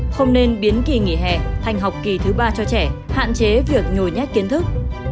không nên biến kỳ nghỉ hè thành học kỳ thứ ba cho trẻ hạn chế việc nhồi nhét kiến thức